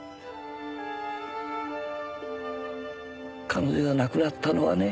彼女が亡くなったのはね